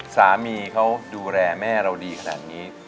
สามีเขาดูแลแม่เราดีขนาดนี้